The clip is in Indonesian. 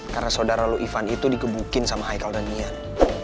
karena sodara lo ivan itu dikebukin sama haikal dan ian